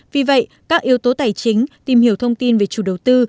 vì vậy các yếu tố tài chính tìm hiểu thông tin về chủ đầu tư